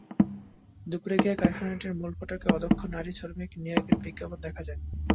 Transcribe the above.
দুপুরে গিয়ে কারখানাটির মূল ফটকে অদক্ষ নারী শ্রমিক নিয়োগের বিজ্ঞাপন দেখা যায়।